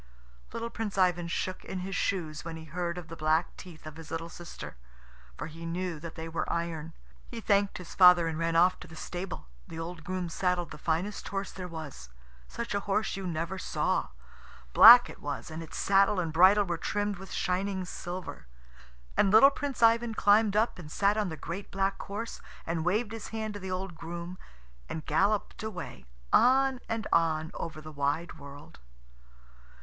Little Prince Ivan shook in his shoes when he heard of the black teeth of his little sister, for he knew that they were iron. He thanked his father and ran off to the stable. The old groom saddled the finest horse there was. Such a horse you never saw. Black it was, and its saddle and bridle were trimmed with shining silver. And little Prince Ivan climbed up and sat on the great black horse, and waved his hand to the old groom, and galloped away, on and on over the wide world.